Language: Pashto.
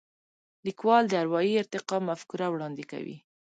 لیکوال د اروايي ارتقا مفکوره وړاندې کوي.